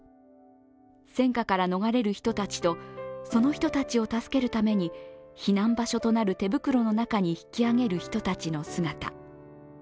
戦火から逃れる人たちと、その人たちを助けるために避難場所となる手袋の中に引き上げる人たちの姿。